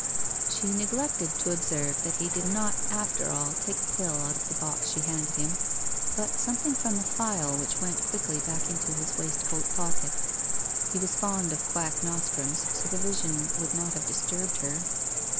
she neglected to observe that he did not after all take a pill out of the box she handed him, but something from a phial which went quickly back into his waistcoat pocket. ffe was Eond of quack nostrums, so the vision would not have disturbed her.